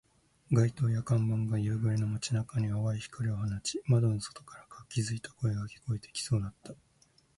街灯や看板が夕暮れの街中に淡い光を放ち、窓の外から活気付いた声が聞こえてきそうだった